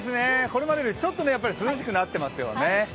これまでよりちょっと涼しくなっていますよね。